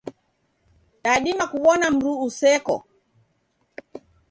Dadima kuw'ona mndu useko.